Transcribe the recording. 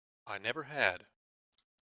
I never had.